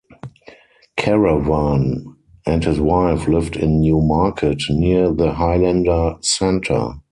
Carawan and his wife lived in New Market, near the Highlander Center.